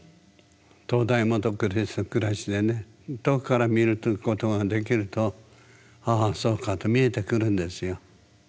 灯台もと暗しでね遠くから見るということができるとああそうかと見えてくるんですよ。